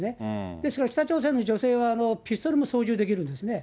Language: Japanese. ですから北朝鮮の女性は、ピストルも操縦できるんですね。